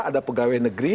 ada pegawai negeri